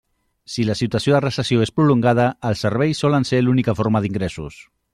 Si la situació de recessió és prolongada, els serveis solen ser l'única forma d'ingressos.